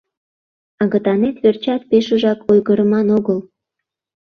Агытанет верчат пешыжак ойгырыман огыл.